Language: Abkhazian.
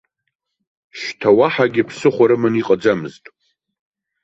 Шьҭа уаҳагьы ԥсыхәа рыманы иҟаӡамызт.